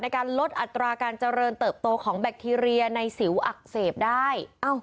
การลดอัตราการเจริญเติบโตของแบคทีเรียในสิวอักเสบได้